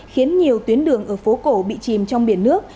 khiến nhiều tuyến đường ở phố cổ bị chìm trong biển nước